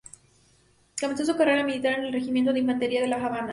Comenzó su carrera militar en el Regimiento de Infantería de La Habana.